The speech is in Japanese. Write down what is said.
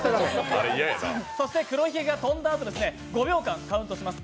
そして、黒ひげが飛んだあと５秒間カウントを行います。